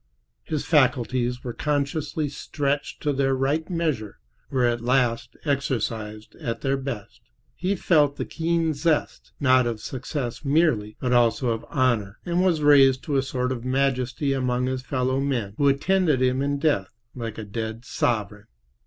His faculties were consciously stretched to their right measure, were at last exercised at their best. He felt the keen zest, not of success merely, but also of honor, and was raised to a sort of majesty among his fellow men, who attended him in death like a dead sovereign.